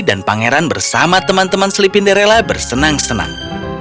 dan pangeran bersama teman teman slipinderella bersenang senang